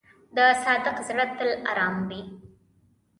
د صادق زړه تل آرام وي.